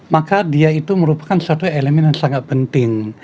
maka dia itu merupakan suatu elemen yang sangat penting